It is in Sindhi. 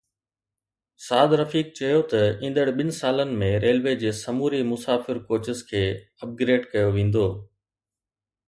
سعد رفيق چيو ته ايندڙ ٻن سالن ۾ ريلوي جي سموري مسافر ڪوچز کي اپ گريڊ ڪيو ويندو